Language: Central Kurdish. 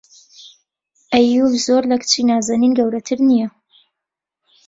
ئەییووب زۆر لە کچی نازەنین گەورەتر نییە.